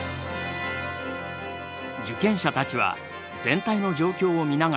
受験者たちは全体の状況を見ながら操縦できない。